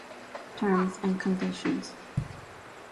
Terms and Conditions